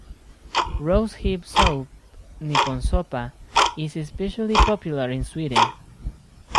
Rose hip soup, "nyponsoppa", is especially popular in Sweden.